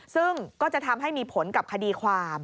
ซึ่งก็จะทำให้มีผลกับคดีความ